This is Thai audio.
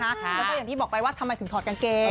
แล้วก็อย่างที่บอกไปว่าทำไมถึงถอดกางเกง